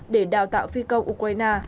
để đào tạo phi công ukraine